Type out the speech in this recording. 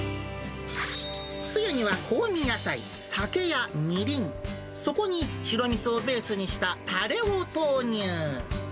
つゆには香味野菜、酒やみりん、そこに白みそをベースにしたタレを投入。